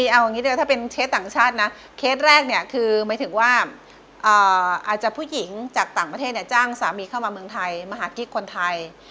เอาอย่างนี้เดี๋ยวถ้าเป็นเคสต่างชาตินะเคสแรกเนี่ยคือหมายถึงว่าอาจจะผู้หญิงจากต่างประเทศจ้างสามีเข้ามาเมืองไทยมาหากิ๊กคนไทย